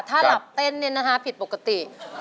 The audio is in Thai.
ถ้าหลับเต้นเนี่ยนะคะผิดปกติ